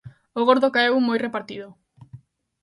O Gordo caeu moi repartido.